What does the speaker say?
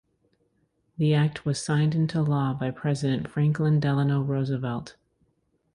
The act was signed into law by President Franklin Delano Roosevelt.